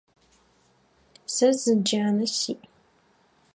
Сэ зы джанэ сиӏ.